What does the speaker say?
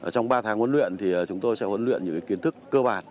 trong ba tháng huấn luyện thì chúng tôi sẽ huấn luyện những kiến thức cơ bản